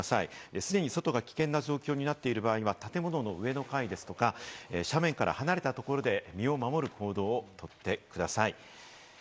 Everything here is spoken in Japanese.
すでに外が危険な状況になっている場合は、建物の上の階ですとか、斜面から離れたところで身を守る行動をとってください。